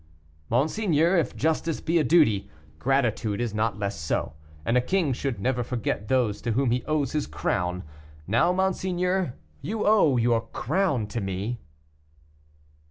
"Monseigneur, if justice be a duty, gratitude is not less so; and a king should never forget those to whom he owes his crown. Now, monseigneur, you owe your crown to me."